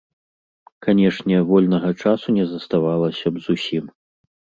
Канешне, вольнага часу не заставалася б зусім.